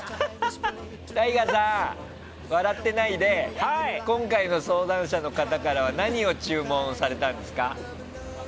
ＴＡＩＧＡさん、笑ってないで今回の相談者の方からは何を注文されたんですか？